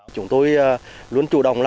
chúng tôi luôn chủ động làm